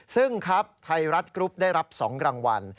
ซึ่งครับไทยรัฐกรุ๊ปได้รับ๒รางวัล